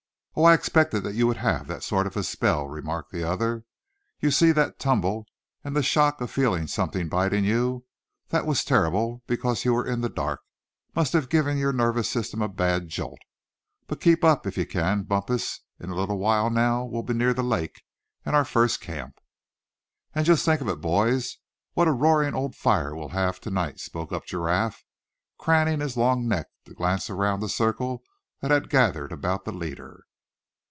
"Oh! I expected that you'd have that sort of a spell," remarked the other. "You see, that tumble, and the shock of feeling something biting you, that was terrible because you were in the dark, must have given your nervous system a bad jolt. But keep up if you can, Bumpus. In a little while now we'll be near the lake, and our first camp." "And just think of it, boys, what a roaring old fire we'll have to night," spoke up Giraffe, craning his long neck to glance around the circle that had gathered about the leader.